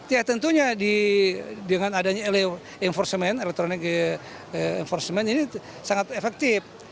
ya tentunya dengan adanya elektronik enforcement ini sangat efektif